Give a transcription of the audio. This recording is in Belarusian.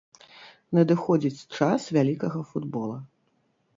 Надыходзіць час вялікага футбола!